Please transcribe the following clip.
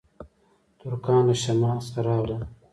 ترکان له شمال څخه راغلل